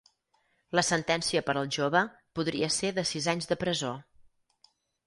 La sentència per al jove podria ser de sis anys de presó